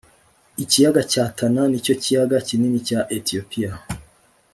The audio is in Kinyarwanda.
ikiyaga cya tana nicyo kiyaga kinini cya etiyopiya